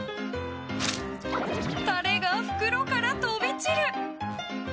タレが袋から飛び散る！